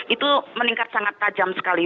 itu meningkat sangat tajam sekali